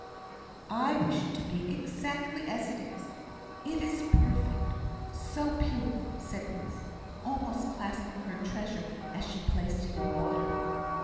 "I wish it to be exactly as it is; it is perfect. So pure!" said Ruth, almost clasping her treasure as she placed it in water.